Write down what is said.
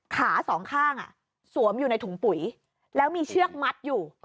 สองข้างสวมอยู่ในถุงปุ๋ยแล้วมีเชือกมัดอยู่